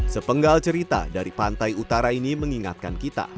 sepenggal cerita dari pantai utara ini mengingatkan kita